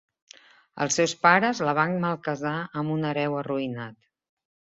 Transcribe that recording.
Els seus pares la van malcasar amb un hereu arruïnat.